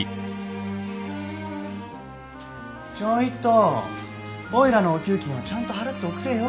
ちょいとおいらのお給金はちゃんと払っておくれよ？